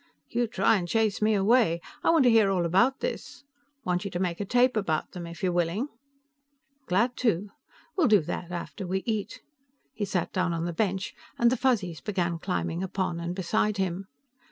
"You try and chase me away. I want to hear all about this. Want you to make a tape about them, if you're willing." "Glad to. We'll do that after we eat." He sat down on the bench, and the Fuzzies began climbing upon and beside him.